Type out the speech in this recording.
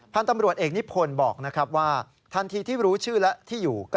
พันธุ์ตำรวจเอกนิพนธ์บอกว่าทันทีที่รู้ชื่อและที่อยู่